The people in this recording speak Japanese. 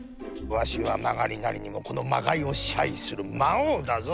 わしはまがりなりにもこの魔界をしはいする魔王だぞ！